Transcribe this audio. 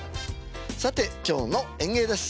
さて今日の演芸です。